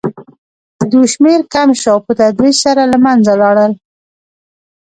د دوی شمېر کم شو او په تدریج سره له منځه لاړل.